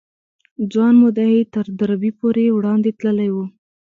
ځوان مدعي تر دربي پورې وړاندې تللی و.